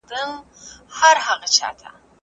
څنګه امنیت پر نورو هیوادونو اغیز کوي؟